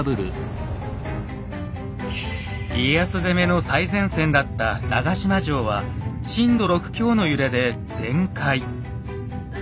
家康攻めの最前線だった長島城は震度６強の揺れで全壊。